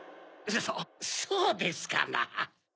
そうですかな。